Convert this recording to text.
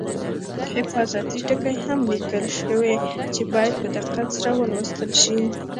حفاظتي ټکي هم لیکل شوي چې باید په دقت سره ولوستل شي.